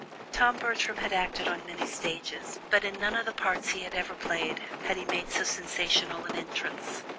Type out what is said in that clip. Tom Bertram had acted on many stages, but in none of the parts he had ever played had he made so sensational an entrance.